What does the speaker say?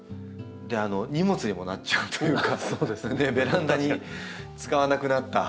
荷物にもなっちゃうというかベランダに使わなくなった鉢の土とか。